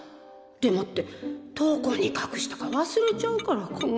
でもってどこに隠したか忘れちゃうから困る。